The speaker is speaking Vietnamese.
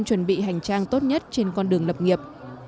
có thể bị hành trang tốt nhất trên con đường lập nghiệp